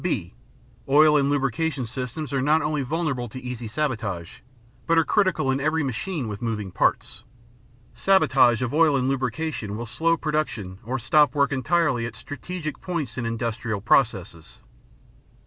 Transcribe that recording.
(b) Oil and lubrication systems are not only vulnerable to easy sabotage, but are critical in every machine with moving parts. Sabotage of oil and lubrication will slow production or stop work entirely at strategic points in industrial processes.